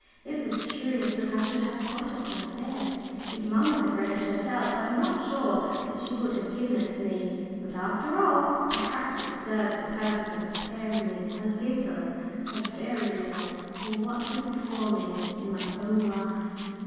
It was curious that I should have got it just then. If mamma had read it herself I am not sure that she would have given it to me. But after all, perhaps it served the purpose of preparing me a little a very little for what was before me in my own life.